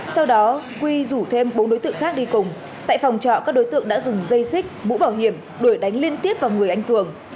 sau đó quy rủ thêm bốn đối tượng khác đi cùng tại phòng trọ các đối tượng đã dùng dây xích mũ bảo hiểm đuổi đánh liên tiếp vào người anh cường